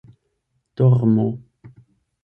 dormo